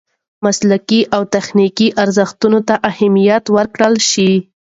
مسلکي او تخنیکي ارزښتونو ته اهمیت ورکړل شي.